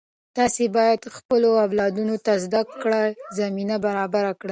تاسې باید خپلو اولادونو ته د زده کړې زمینه برابره کړئ.